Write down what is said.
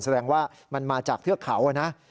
แสดงว่ามันมาจากเทือกเขานะ